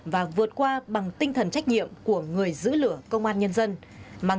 và vượt qua bằng tinh thần trách nhiệm của người giữ lửa công an nhân dân